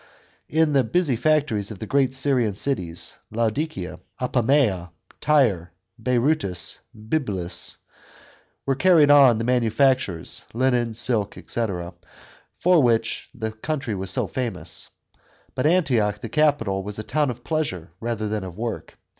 In the busy factories of the great Syrian cities — Laodicea, Apamea, Tyre, Berytus, Byblus — were carried on the manu factures (linen, silk, &c.) for which the country was famous. But Antioch, the capital, was a town of pleasure rather than of work.